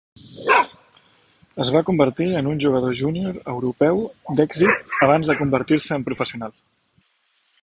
Es va convertir en un jugador junior europeu d'èxit abans de convertir-se en professional.